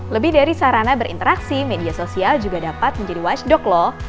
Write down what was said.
lebih dari sarana berinteraksi media sosial juga dapat menjadi washdock loh